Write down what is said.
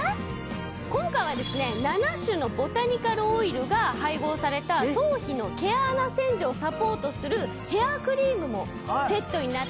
今回は７種のボタニカルオイルが配合された頭皮の毛穴洗浄をサポートするヘアクリームもセットになっています。